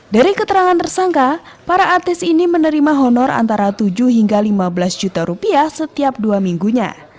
dari keterangan tersangka para artis ini menerima honor antara tujuh hingga lima belas juta rupiah setiap dua minggunya